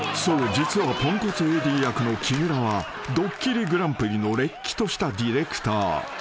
実はぽんこつＡＤ役の木村は『ドッキリＧＰ』のれっきとしたディレクター］